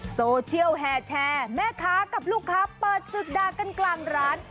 โซเชียลแห่แชร์แม่ค้ากับลูกค้าเปิดศึกด่ากันกลางร้าน